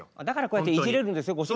だからこうやっていじれるんですよ。